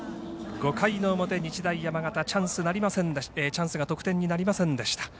５回の表、日大山形チャンスが得点になりませんでした。